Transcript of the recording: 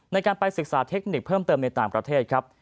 ในการไปศึกษาเทคนิคเพิ่มเติมในต่างประเทศครับ